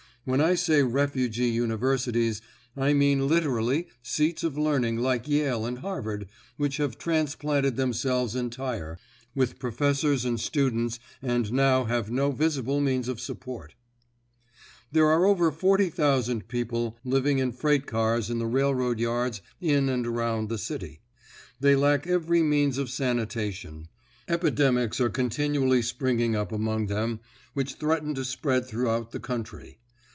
When I say refugee universities, I mean literally seats of learning like Yale and Harvard which have transplanted themselves entire, with professors and students and now have no visible means of support. There are over 40,000 people living in freight cars in the railroad yards in and around the city. They lack every means of sanitation. Epidemics are continually springing up among them which threaten to spread throughout the country.